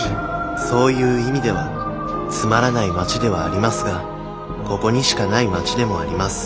そういう意味ではつまらない町ではありますがここにしかない町でもあります